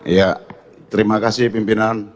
ya terima kasih pimpinan